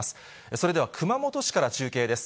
それでは熊本市から中継です。